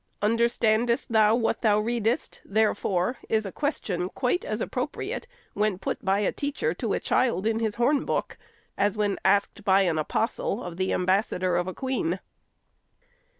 " Understandest thou what thou readest," therefore, is a question quite as apposite when put by a teacher to a child in his horn book, as when asked by an Apostle of the ambassador of a Queen.